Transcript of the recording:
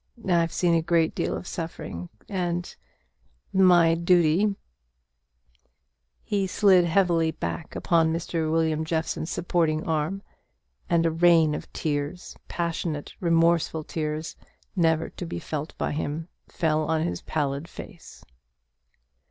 I've seen a great deal of suffering and my duty " He slid heavily back upon William Jeffson's supporting arm; and a rain of tears passionate remorseful tears never to be felt by him fell on his pallid face.